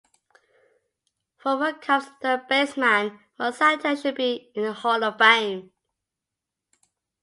Former Cubs third baseman Ron Santo should be in the Hall of Fame.